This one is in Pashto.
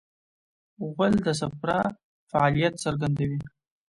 غول د صفرا فعالیت څرګندوي.